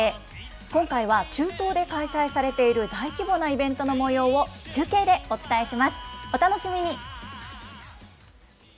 今回は中東で開催されている大規模なイベントのもようを中継でお伝えします。